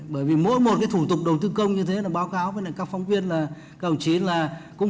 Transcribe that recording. bởi vì mỗi một cái thủ tục đầu tư công như thế là báo cáo với các phóng viên là các ông chí là cũng